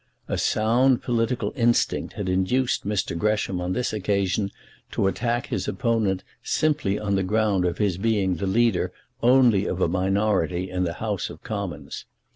A sound political instinct had induced Mr. Gresham on this occasion to attack his opponent simply on the ground of his being the leader only of a minority in the House of Commons.